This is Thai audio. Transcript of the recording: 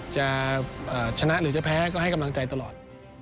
จะชนะหรือจะแพ้ก็ให้กำลังใจตลอด